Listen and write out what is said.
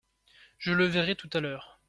Je le verrai tout à l’heure.